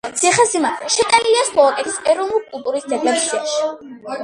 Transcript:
ციხესიმაგრე შეტანილია სლოვაკეთის ეროვნული კულტურის ძეგლების სიაში.